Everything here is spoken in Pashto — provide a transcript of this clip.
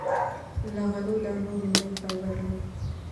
له غلو- دانو ډوډۍ فایبر لري.